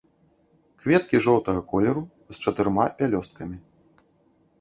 Кветкі жоўтага колеру, з чатырма пялёсткамі.